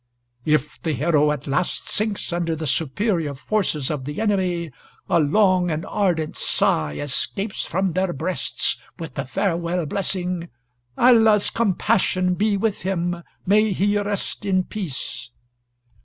If the hero at last sinks under the superior forces of the enemy, a long and ardent sigh escapes from their breasts, with the farewell blessing, 'Allah's compassion be with him may he rest in peace.'...